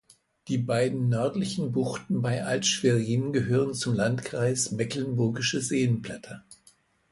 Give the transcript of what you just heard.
Die beiden nördlichen Buchten bei Alt Schwerin gehören zum Landkreis Mecklenburgische Seenplatte.